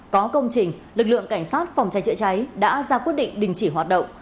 có công trình lực lượng cảnh sát phòng cháy chữa cháy đã ra quyết định đình chỉ hoạt động